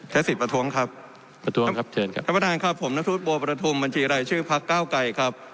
แท้สิทธิ์ประท้วงครับท่านประทานครับผมนทุศบัวประทุมบัญชีรายชื่อภักดิ์เก้าไกรครับ